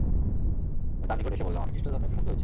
আমি তার নিকট এসে বললাম, আমি খৃষ্টধর্মে বিমুগ্ধ হয়েছি।